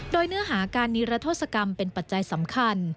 โดยเนื้อหาการนิรัทธศกรรมเป็นปัจจัยสำคัญ